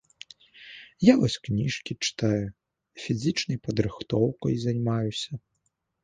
Я вось кніжкі чытаю, фізічнай падрыхтоўкай займаюся.